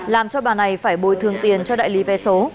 làm cho bà này phải bồi thường tiền cho đại lý vé số